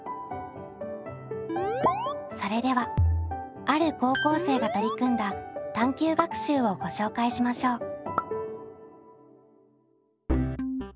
それではある高校生が取り組んだ探究学習をご紹介しましょう。